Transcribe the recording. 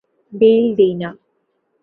Bail দেই না।